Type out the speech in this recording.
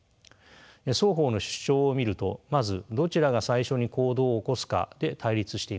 双方の主張を見るとまずどちらが最初に行動を起こすかで対立しています。